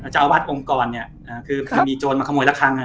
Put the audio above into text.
เจ้าอาวาสองค์กรเนี่ยคือพอมีโจรมาขโมยละครั้ง